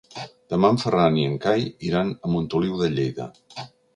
Demà en Ferran i en Cai iran a Montoliu de Lleida.